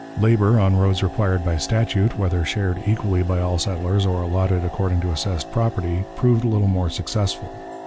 Labour on roads required by statute, whether shared equally by all settlers or allotted according to assessed property, proved little more successful.